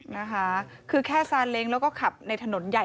นะคะคือแค่ซาเล้งแล้วก็ขับในถนนใหญ่